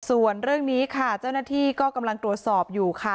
ส่วนเรื่องนี้ค่ะเจ้าหน้าที่ก็กำลังตรวจสอบอยู่ค่ะ